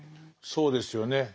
そうですよね。